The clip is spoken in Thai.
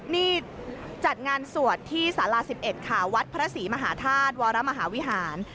นี่จัดงานสวดที่สารา๑๑ค่ะวัดพระศรีมหาธาตุวรมหาวิหาร